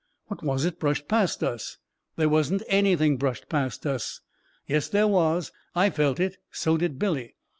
" What was it brushed past us? "" There wasn't anything brushed past us." "Yes, there was; I felt it — so did Billy.